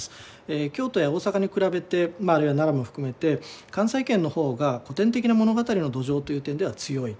京都や大阪に比べてあるいは長野も含めて関西圏の方が古典的な物語の土壌という点では強い。